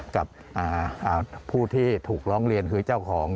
กับผู้ที่ถูกร้องเรียนคือเจ้าของ